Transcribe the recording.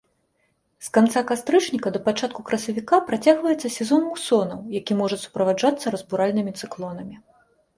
З канца кастрычніка да пачатку красавіка працягваецца сезон мусонаў, які можа суправаджацца разбуральнымі цыклонамі.